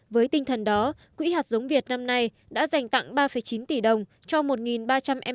với tinh thần đó quỹ hạt giống việt năm nay đã dành tặng ba chín tỷ đồng cho một ba trăm linh em